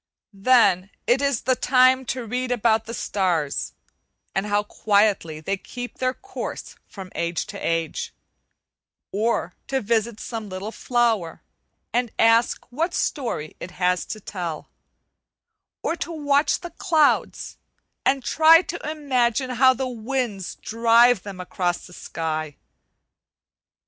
Then is the time to read about the starts, and how quietly they keep their course from age to age; or to visit some little flower, and ask what story it has to tell; or to watch the clouds, and try to imagine how the winds drive them across the sky.